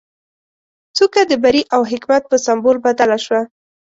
څوکه د بري او حکمت په سمبول بدله شوه.